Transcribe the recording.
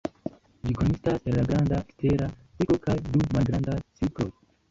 Ĝi konsistas el la granda ekstera cirklo kaj du malgrandaj cirkloj.